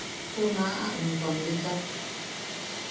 Junaʼa into am bichak: